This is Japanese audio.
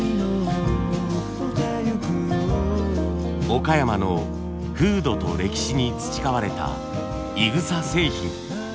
岡山の風土と歴史に培われたいぐさ製品。